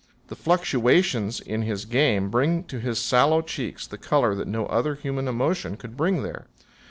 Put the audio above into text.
The fluctuations in his game bring to his sallow cheeks the color that no other human emotion could bring there.